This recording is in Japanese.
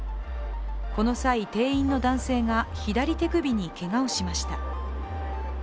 この際、店員の男性が左手首にけがをしました。